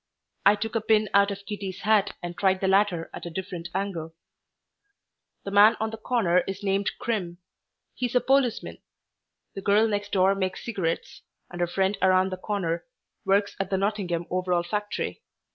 I took a pin out of Kitty's hat and tried the latter at a different angle. "The man on the corner is named Crimm. He's a policeman. The girl next door makes cigarettes, and her friend around the corner works at the Nottingham Overall factory.